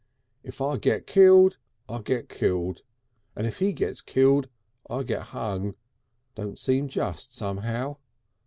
"If I get killed, I get killed, and if he gets killed I get hung. Don't seem just somehow.